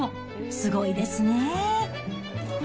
すごいですね。